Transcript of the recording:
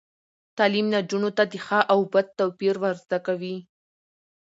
تعلیم نجونو ته د ښه او بد توپیر ور زده کوي.